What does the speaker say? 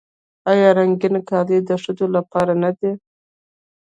آیا رنګین کالي د ښځو لپاره نه دي؟